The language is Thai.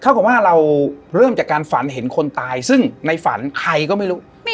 กับว่าเราเริ่มจากการฝันเห็นคนตายซึ่งในฝันใครก็ไม่รู้